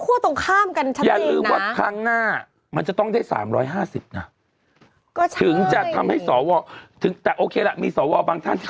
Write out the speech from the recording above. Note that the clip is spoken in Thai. ไม่ต้องเอาสวรรค์เป็นเรื่องนายกแล้วก็มีนะตอนนี้